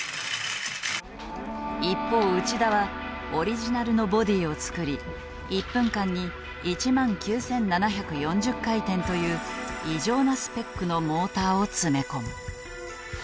一方内田はオリジナルのボディーを作り１分間に１万９，７４０回転という異常なスペックのモーターを詰め込む。